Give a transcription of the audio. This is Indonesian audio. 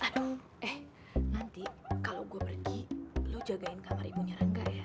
aduh eh nanti kalau gue pergi lu jagain kamar ibunya angga ya